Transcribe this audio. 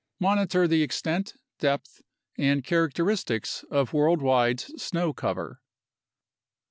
Monitor the extent, depth, and characteristics of worldwide snow cover.